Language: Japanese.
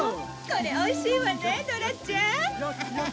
これおいしいわねドラちゃん。